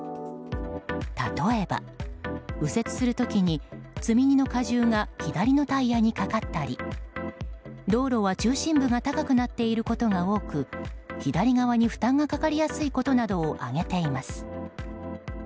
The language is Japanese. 例えば、右折するときに積み荷の荷重が左のタイヤにかかったり道路は、中心部が高くなっていることが多く左側に負担がかかりやすいことなどを挙げています。